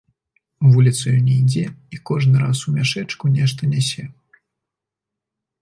Вуліцаю не ідзе, і кожны раз у мяшэчку нешта нясе.